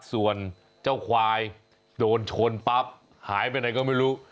ส่วนเจ้าควายโดนชนปั๊บหายไปไหนก็ไม่รู้